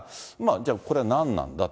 じゃ、これ何なんだと。